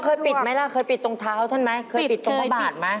เคยปิดไหมล่ะเคยปิดตรงเท้า๗๒๐เพาะของขั้นสื่อปิดพ่อบาทบ๊าย